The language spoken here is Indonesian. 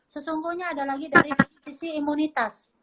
sesungguhnya ada lagi dari sisi imunitas